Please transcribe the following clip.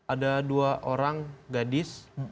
ada dua orang gadis